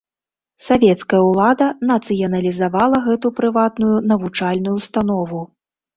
Савецкая ўлада нацыяналізавала гэту прыватную навучальную ўстанову.